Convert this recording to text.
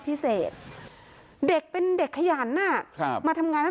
พ่อแม่มาเห็นสภาพศพของลูกร้องไห้กันครับขาดใจ